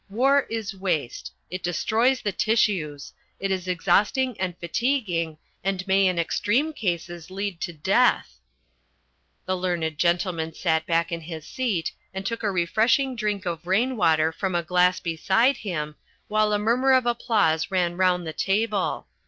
War is waste. It destroys the tissues. It is exhausting and fatiguing and may in extreme cases lead to death." The learned gentleman sat back in his seat and took a refreshing drink of rain water from a glass beside him, while a murmur of applause ran round the table.